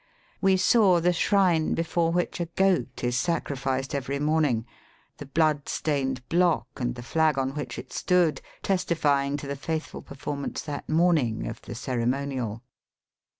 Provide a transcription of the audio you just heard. We saw the shrine before which a goat is sacrificed every morning, the blood stained block and the flag on which it stood, testifying to the faithful performance that morning of the ceremonial.